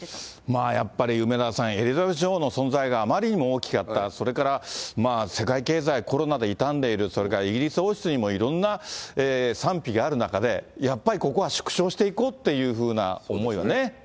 まあやっぱり、梅沢さん、エリザベス女王の存在があまりにも大きかった、それから世界経済、コロナで傷んでいる、それからイギリス王室にもいろんな賛否がある中で、やっぱりここは縮小していこうっていうふうな、思いはね。